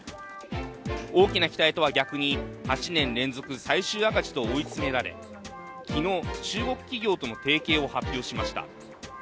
大きな期待とは逆に、８年連続最終赤字と追い詰められ、昨日、中国企業との提携を発表しました。